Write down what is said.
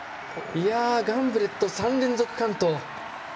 ガンブレット、３連続完登。